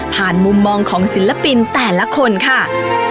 มุมมองของศิลปินแต่ละคนค่ะ